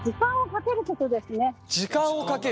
時間をかける？